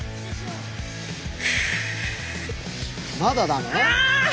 まだだね？